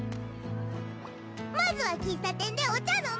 まずは喫茶店でお茶飲む。